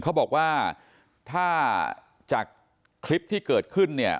เขาบอกว่าถ้าจากคลิปที่เกิดขึ้นเนี่ย